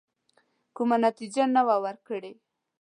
کومه نتیجه نه وه ورکړې.